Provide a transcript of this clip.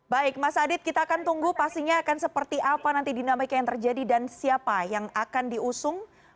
baik mas adit kita akan tunggu pastinya akan seperti apa nanti dinamika yang terjadi dan siapa yang akan diusung